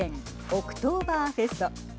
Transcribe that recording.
オクトーバーフェスト。